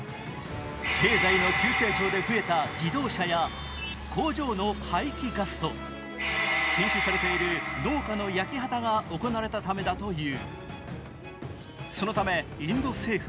経済の急成長で増えた自動車や工場の排気ガスと禁止されている農家の焼き畑が行われたためだという。